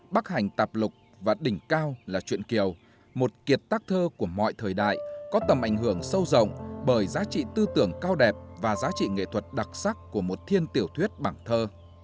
bắc hành tạp lục và đỉnh cao là chuyện kiều một kiệt tác thơ của mọi thời đại có tầm ảnh hưởng sâu rộng bởi giá trị tư tưởng cao đẹp và giá trị nghệ thuật đặc sắc của một thiên tiểu thuyết bảng thơ